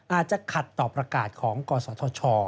อาจจะขัดต่อประกาศของกศธช